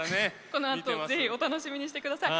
このあと是非お楽しみにしてください。